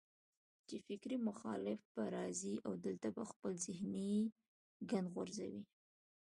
چې فکري مخالف به راځي او دلته به خپل ذهني ګند غورځوي